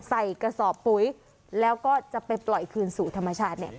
ใส่กระสอบปุ๋ยแล้วก็จะไปปล่อยคืนสู่ธรรมชาติเนี่ย